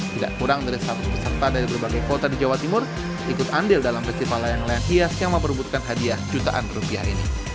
tidak kurang dari seratus peserta dari berbagai kota di jawa timur ikut andil dalam festival layang layang hias yang memperbutkan hadiah jutaan rupiah ini